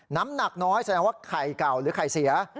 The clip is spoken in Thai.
น้ำหนักน้อยแสดงว่าไข่เก่าหรือไข่เสีย